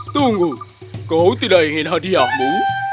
tunggu kau tidak ingin hadiahmu